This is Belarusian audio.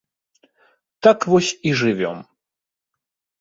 Так вось і жывём.